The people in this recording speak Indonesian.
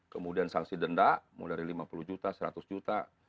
kemudian sanksi denda mulai dari lima puluh juta seratus juta